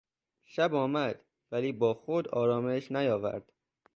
شب آمد ولی با خود آرامش نیاورد.